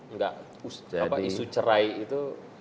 enggak apa isu cerai itu